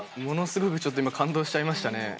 ものすごくちょっと今感動しちゃいましたね。